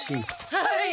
はい。